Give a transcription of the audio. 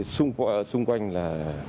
xung quanh là